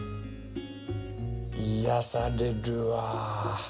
癒やされるわ。